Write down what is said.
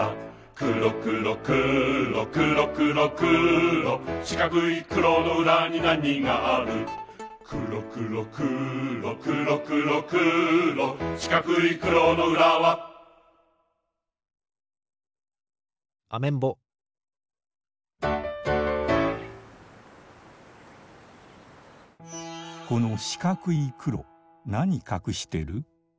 くろくろくろくろくろくろしかくいくろのうらになにがあるくろくろくろくろくろくろしかくいくろのうらはアメンボこのしかくいくろなにかくしてる？